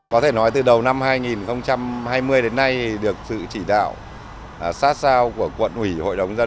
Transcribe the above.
có thể nói từ đầu năm hai nghìn hai mươi đến nay được sự chỉ đạo sát sao của quận ủy hội đồng dân